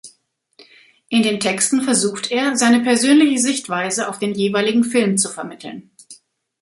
In den Texten versucht er, seine persönliche Sichtweise auf den jeweiligen Film zu vermitteln.